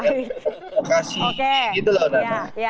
memprovokasi gitu loh nak